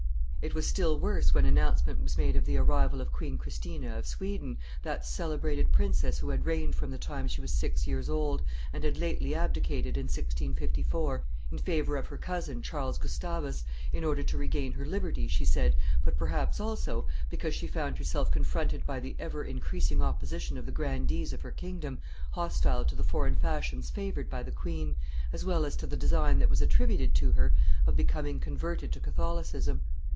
It was still worse when announcement was made of the arrival of Queen Christina of Sweden, that celebrated princess, who had reigned from the time she was six years old, and had lately abdicated, in 1654, in favor of her cousin, Charles Gustavus, in order to regain her liberty, she said, but perhaps, also, because she found herself confronted by the ever increasing opposition of the grandees of her kingdom, hostile to the foreign fashions favored by the queen, as well as to the design that was attributed to her of becoming converted to Catholicism.